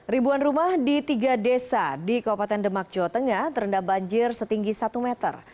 ribuan rumah di tiga desa di kabupaten demak jawa tengah terendam banjir setinggi satu meter